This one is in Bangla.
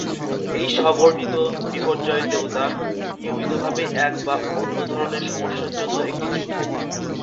এই স্ব-বর্ণিত "বিপর্যয়ের দেবতা" নিয়মিতভাবে এক বা অন্য ধরণের সমস্যার জন্য একটি চুম্বক।